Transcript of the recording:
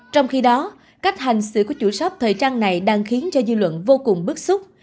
trong khi đó cách hành xử của chủ shop thời trang này đang khiến cho dư luận vô cùng bức xúc